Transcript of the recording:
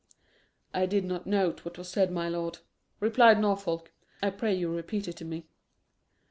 "I did not note what was said, my lord," replied Norfolk; "I pray you repeat it to me."